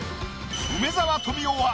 梅沢富美男は